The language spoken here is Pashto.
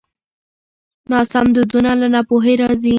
ناسم دودونه له ناپوهۍ راځي.